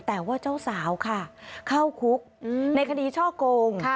แต่ว่าเจ้าสาวค่ะเข้าคุกในคดีช่อกง